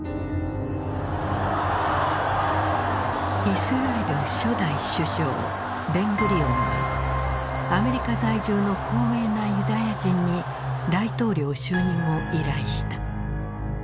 イスラエル初代首相ベングリオンはアメリカ在住の高名なユダヤ人に大統領就任を依頼した。